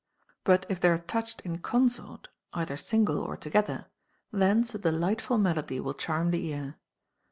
But if they are touched in consort, either single or together, thence a delightful mel ody will charm the ear.